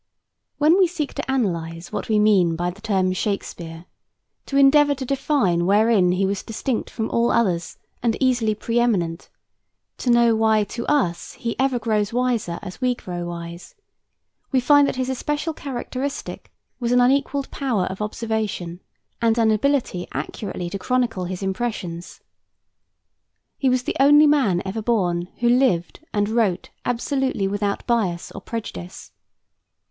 When we seek to analyze what we mean by the term Shakespeare, to endeavor to define wherein he was distinct from all others and easily pre eminent, to know why to us he ever grows wiser as we grow wise, we find that his especial characteristic was an unequalled power of observation and an ability accurately to chronicle his impressions. He was the only man ever born who lived and wrote absolutely without bias or prejudice.